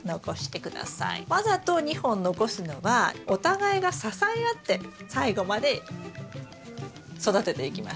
わざと２本残すのはお互いが支え合って最後まで育てていきます。